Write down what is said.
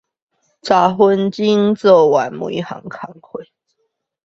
十分鐘完成每件工作